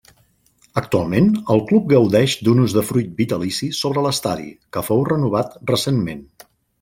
Actualment el club gaudeix d'un usdefruit vitalici sobre l'Estadi, que fou renovat recentment.